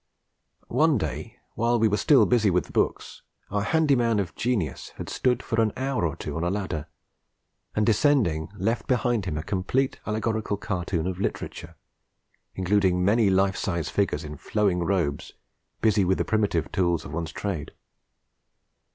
One day, while we were still busy with the books, our handy man of genius had stood for an hour or two on a ladder; and descending, left behind him a complete allegorical cartoon of Literature, including many life size figures in flowing robes busy with the primitive tools of one's trade.